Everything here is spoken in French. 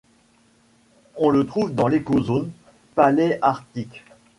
On le trouve dans l'écozone paléarctique.